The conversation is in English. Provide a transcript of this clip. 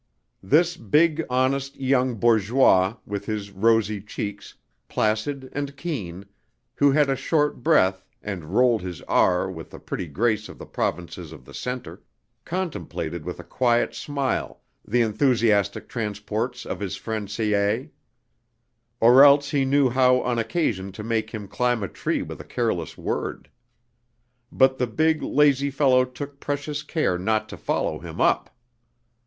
This big honest young bourgeois, with his rosy cheeks, placid and keen, who had a short breath and rolled his r with the pretty grace of the provinces of the Centre, contemplated with a quiet smile the enthusiastic transports of his friend Sée; or else he knew how on occasion to make him climb a tree with a careless word; but the big, lazy fellow took precious care not to follow him up!